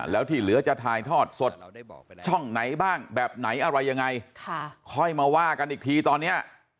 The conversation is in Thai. แล้วที่เหลือจะถ่ายทอดสดช่องไหนบ้างแบบไหนอะไรยังไงค่อยมาว่ากันอีกทีตอนเนี้ย